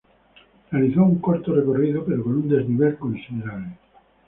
Realiza un corto recorrido, pero con un desnivel considerable.